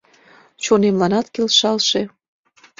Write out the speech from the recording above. Чонемланат келшалше.